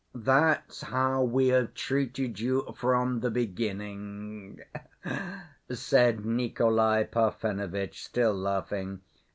"That's how we have treated you from the beginning," said Nikolay Parfenovitch, still laughing.